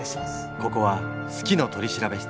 ここは「好きの取調室」。